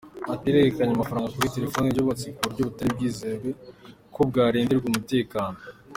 Ati “Iherekanyamafaranga kuri telefoni ryubatswe ku buryo butari bwitezwe ko bwarindirwa umutekano.